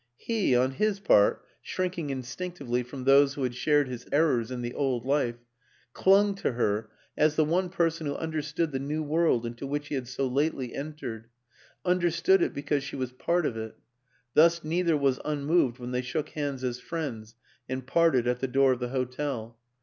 He, on his WILLIAM AN ENGLISHMAN 207 part, shrinking instinctively from those who had shared his errors in the old life, clung to her as the one person who understood the new world into which he had so lately entered understood it because she was part of it; thus neither was un moved when they shook hands as friends and parted at the door of the hotel.